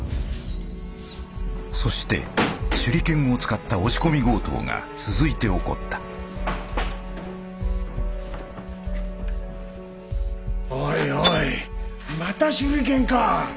そして手裏剣を使った押し込み強盗が続いて起こったおいおいまた手裏剣かぁ！